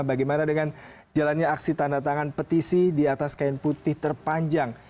bagaimana dengan jalannya aksi tanda tangan petisi di atas kain putih terpanjang